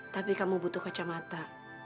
tapi kamu butuh kacamata